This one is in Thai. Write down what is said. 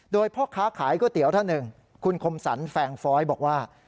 โดยพ่อค้าขายก๋วยเตี๋ยวท่านหนึ่งคุณคมสรรแฟงฟ้อยบอกว่า